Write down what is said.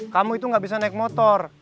kamu itu nggak bisa naik motor